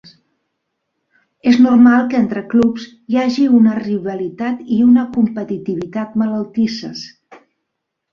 És normal que entre clubs hi hagi una rivalitat i una competitivitat malaltisses.